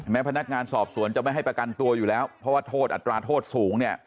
พนักงานสอบสวนจะไม่ให้ประกันตัวอยู่แล้วเพราะว่าโทษอัตราโทษสูงเนี่ย